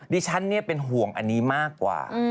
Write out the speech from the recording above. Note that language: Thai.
ดิฉันเป็นห่วงอันนี้มากกว่า